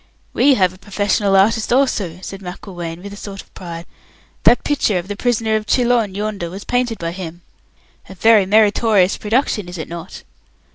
"We have a professional artist also," said Macklewain, with a sort of pride. "That picture of the 'Prisoner of Chillon' yonder was painted by him. A very meritorious production, is it not?"